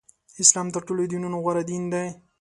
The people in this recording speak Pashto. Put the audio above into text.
اسلام تر ټولو دینونو غوره دین دی.